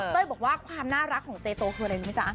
บอกว่าความน่ารักของเจโตคืออะไรรู้ไหมจ๊ะ